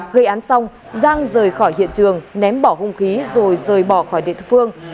gây án xong giang rời khỏi hiện trường ném bỏ hung khí rồi rời bỏ khỏi địa phương